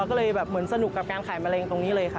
ก็เลยแบบเหมือนสนุกกับการขายมะเร็งตรงนี้เลยค่ะ